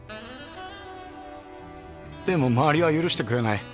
でも周りは許してくれない。